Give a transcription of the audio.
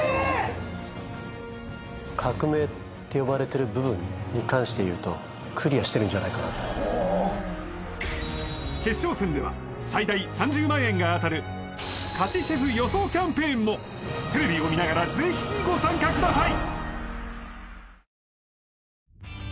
革命って呼ばれてる部分に関して言うとクリアしてるんじゃないかなと決勝戦では最大３０万円が当たる勝ちシェフ予想キャンペーンもテレビを見ながら是非ご参加ください